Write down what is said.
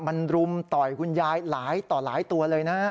มันรุมต่อยคุณยายต่อหลายตัวเลยนะครับ